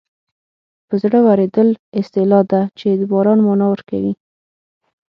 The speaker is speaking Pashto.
په زړه اورېدل اصطلاح ده چې د باران مانا ورکوي